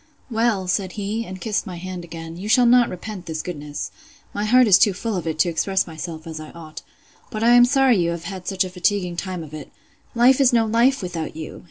Well, said he, and kissed my hand again, you shall not repent this goodness. My heart is too full of it to express myself as I ought. But I am sorry you have had such a fatiguing time of it.—Life is no life without you!